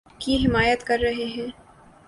کی حمایت کر رہے ہیں